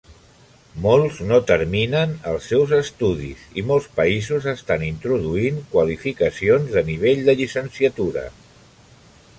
Molts no terminen els seus estudis i molts països estan introduint qualificacions de nivell de llicenciatura.